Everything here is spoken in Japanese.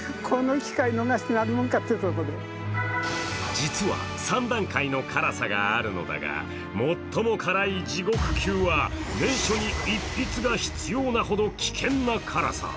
実は、３段階の辛さがあるのだが最も辛い地獄級は念書に一筆が必要なほどの辛さ。